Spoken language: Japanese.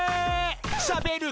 「しゃべる